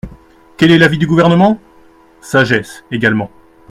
Quel est l’avis du Gouvernement ? Sagesse également.